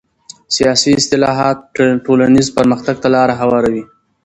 سیاسي اصلاحات ټولنیز پرمختګ ته لاره هواروي